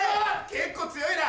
結構強いな。